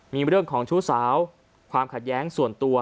มีเรื่องของชู้สาวความขัดแย้งส่วนตัว